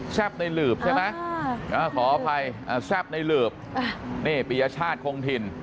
ในหลืบใช่ไหมขออภัยแซ่บในหลืบนี่ปียชาติคงถิ่น